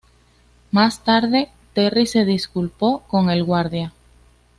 Más tarde, Terry se disculpó con el guardia.